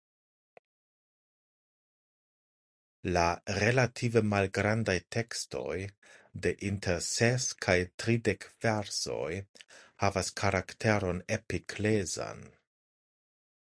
La relative malgrandaj tekstoj de inter ses kaj tridek versoj havas karakteron epiklezan.